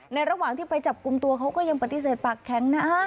ระหว่างที่ไปจับกลุ่มตัวเขาก็ยังปฏิเสธปากแข็งนะ